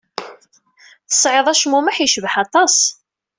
Tesɛiḍ acmumeḥ yecbeḥ aṭas.